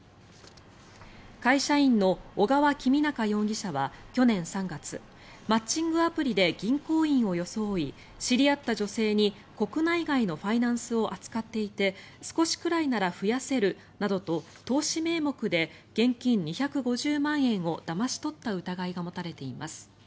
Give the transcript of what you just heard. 会社員の小川公央容疑者は去年３月マッチングアプリで銀行員を装い知り合った女性に、国内外のファイナンスを扱っていて少しくらいなら増やせるなどと投資名目で現金２５０万円をだまし取った疑いが持たれています。